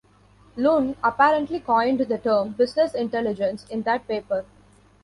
Luhn apparently coined the term business intelligence in that paper.